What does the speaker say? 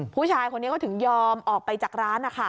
ผู้ชายคนนี้ก็ถึงยอมออกไปจากร้าน